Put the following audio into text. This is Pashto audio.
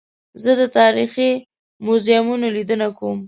زه د تاریخي موزیمونو لیدنه کوم.